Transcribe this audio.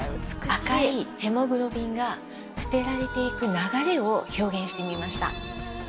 赤いヘモグロビンが捨てられていく流れを表現してみました。